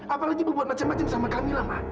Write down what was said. apalagi berbuat macam macam sama kamila ma